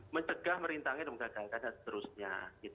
mencegah merintangin mengagangkan dan seterusnya